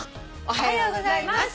おはようございます。